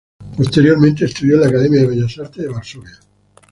Posteriormente estudió en la Academia de Bellas Artes de Varsovia.